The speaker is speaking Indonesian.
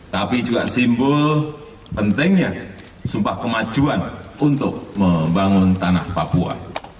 tapi juga simbol pentingnya sumpah kemajuan untuk membangun tanah papua